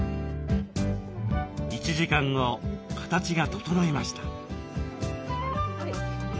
１時間後形が整いました。